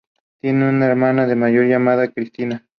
Tiene una hermana menor llamada Kristina.